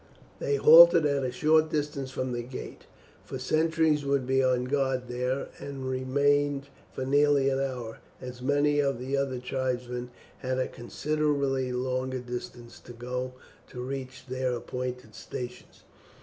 They halted at a short distance from the gate, for sentries would be on guard there, and remained for nearly an hour, as many of the other tribesmen had a considerably longer distance to go to reach their appointed stations.